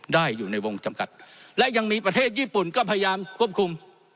ได้อยู่ในวงจำกัดและยังมีประเทศญี่ปุ่นก็พยายามควบคุม